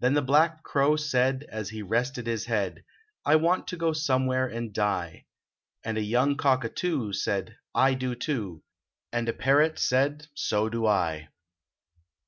Then the black crow said, as lie rested his head " I want to go somewhere and die." And a young cock a too said :" I do too," And a parrot said :" So do I."